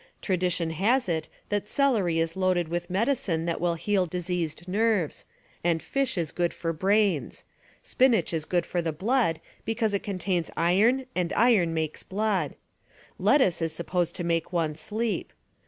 Tradition has it that celery is loaded with medicine that will heal diseased nerves, and fish is good for brains; spinach is good for the blood, because it contains iron and iron makes blood; lettuce is supposed to make one sleep.